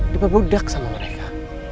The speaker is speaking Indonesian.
di pebudak sama mereka